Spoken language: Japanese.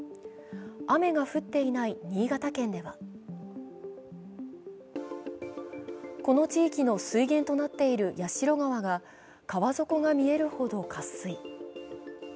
雨が降っていない新潟県ではこの地域の水源となっている矢代川が川底が見えるほど渇水。